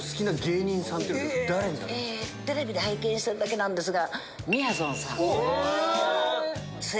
テレビで拝見してるだけなんですが。